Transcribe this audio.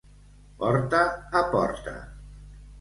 Porta a porta.